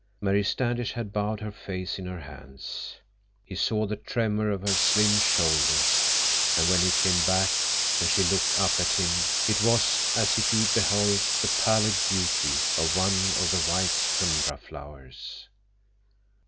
Mary Standish had bowed her face in her hands. He saw the tremor of her slim shoulders; and when he came back, and she looked up at him, it was as if he beheld the pallid beauty of one of the white tundra flowers.